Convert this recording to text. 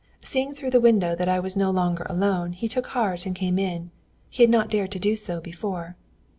Seeing through the window that I was no longer alone, he took heart and came in. He had not dared to do so before."